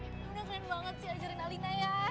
udah keren banget sih ajarin alina ya